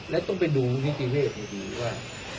และต้องไปดูมุฒิพีเวศดีว่า